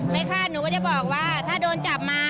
ไม่ฆ่าหนูก็จะบอกว่าถ้าโดนจับมา